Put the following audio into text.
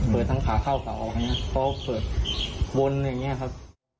เปิดทั้งขาเข้าเขาเขาเปิดวนอย่างนี้ครับ